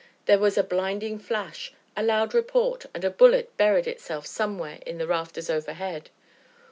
There was a blinding flash, a loud report, and a bullet buried itself somewhere in the rafters overhead.